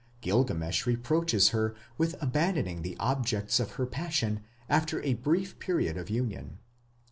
Gilgamesh ... reproaches her with abandoning the objects of her passion after a brief period of union."